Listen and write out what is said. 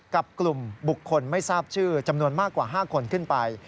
กับกลุ่มบุคคลไม่ทราบชื่อจำนวนมากกว่า๕คนขึ้นไป